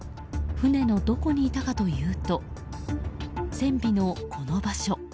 船のどこにいたかというと船尾のこの場所。